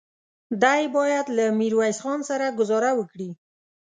دی بايد له ميرويس خان سره ګذاره وکړي.